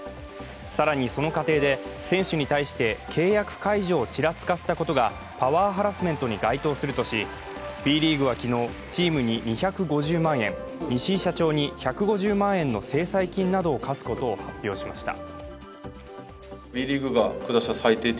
更に、その過程で選手に対して契約解除をちらつかせたことがパワーハラスメントに該当するとしＢリーグは昨日、チームに２５０万円、西井社長に１５０万円の制裁金などを科すことを発表しました。